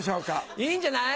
いいんじゃない。